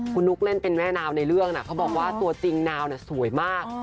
คุณนุ๊กเล่นเป็นแม่นาวในเรื่องนะเขาบอกว่าตัวจริงนาวน่ะสวยมาก